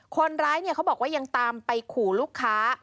เขาบอกว่ายังตามไปขู่ลูกค้า